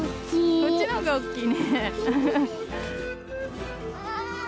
こっちの方が大きいね。